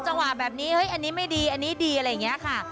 จังหวะแบบนี้เฮ้ยอันนี้ไม่ดีอันนี้ดีอะไรอย่างนี้ค่ะ